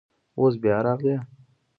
اوس بیا راغلی.